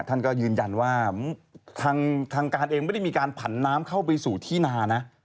ท่านก็ยืนยันว่าทางการเองไม่ได้มีการผันน้ำเข้าไปสู่ที่นานะ